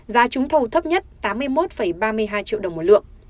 giá trúng thầu thấp nhất tám mươi một ba mươi hai triệu đồng một lượng